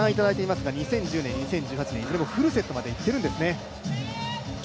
ただ近年、２０１０年、２０１８年はいずれもフルセットまでいっているんですね。